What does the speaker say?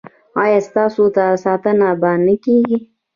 ایا ستاسو ساتنه به نه کیږي؟